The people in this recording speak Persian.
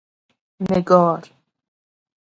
نگار